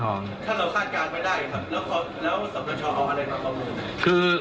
ถ้าเราฆาตการณ์ไม่ได้นะครับแล้วสมสอบชเอาอะไรมาคำนวณ